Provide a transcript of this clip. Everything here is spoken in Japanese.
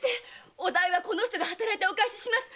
お代はこの人が働いてお返しします！